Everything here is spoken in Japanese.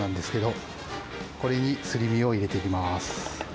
これにすり身を入れていきます。